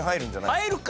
入るか！